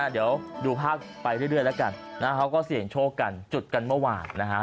เดี๋ยวดูภาพไปเรื่อยแล้วกันนะฮะเขาก็เสี่ยงโชคกันจุดกันเมื่อวานนะฮะ